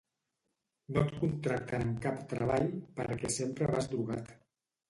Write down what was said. No et contracten en cap treball perquè sempre vas drogat